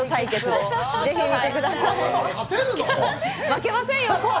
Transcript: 負けませんよ！